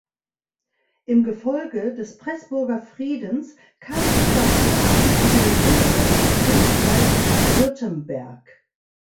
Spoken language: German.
Im Gefolge des Preßburger Friedens kam Oberschwaben unter die Hoheit des Königreichs Württemberg.